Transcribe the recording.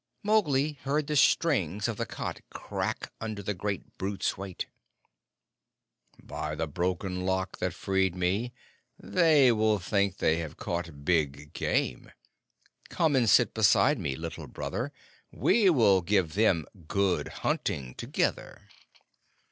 Mowgli heard the strings of the cot crack under the great brute's weight. "By the Broken Lock that freed me, they will think they have caught big game! Come and sit beside me, Little Brother; we will give them 'good hunting' together!"